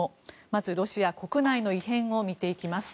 まずロシア国内の異変を見ていきます。